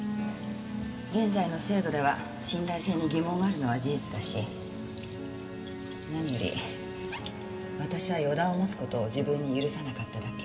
現在の精度では信頼性に疑問があるのは事実だし何より私は予断を持つ事を自分に許さなかっただけ。